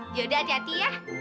yaudah hati hati ya